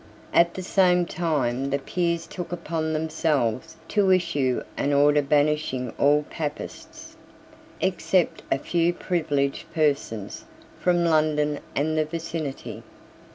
At the same time the Peers took upon themselves to issue an order banishing all Papists, except a few privileged persons, from London and the vicinity.